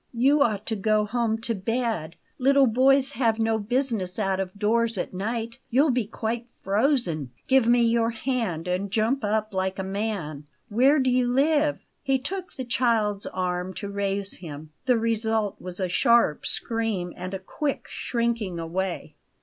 "You ought to go home to bed; little boys have no business out of doors at night; you'll be quite frozen! Give me your hand and jump up like a man! Where do you live?" He took the child's arm to raise him. The result was a sharp scream and a quick shrinking away.